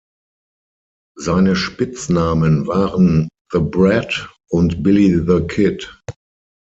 Seine Spitznamen waren „The Brat“ und „Billy the Kid“.